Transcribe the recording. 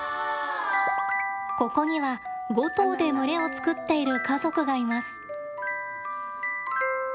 ここには、５頭で群れを作っている家族がいます。